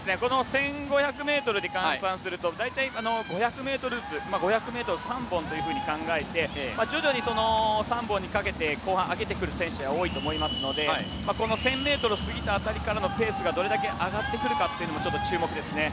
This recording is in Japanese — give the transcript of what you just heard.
１０００ｍで換算すると５００ｍ３本と考えて徐々に３本にかけて後半上げてくる選手が多いと思いますので１０００ｍを過ぎた辺りからのペースがどれだけ上がってくるかも注目ですね。